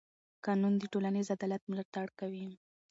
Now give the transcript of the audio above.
قانون د ټولنیز عدالت ملاتړ کوي.